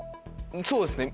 そうですね。